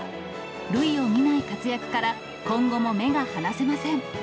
類を見ない活躍から今後も目が離せません。